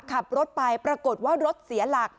ขับรถไปปรากฏว่ารถเสียหลัก